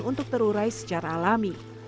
untuk terurai secara alami